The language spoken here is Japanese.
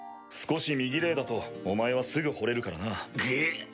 少し身ぎれいだとお前はすぐほれるからな。グッ。